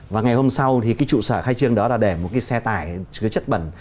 và ngày hôm sau thì cái trụ sở khai trương đó là để một cái xe tải chứa chất bẩn